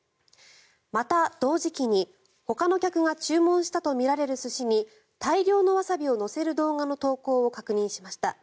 また、同時期にほかの客が注文したとみられる寿司に大量のワサビを乗せる動画の投稿を確認しました。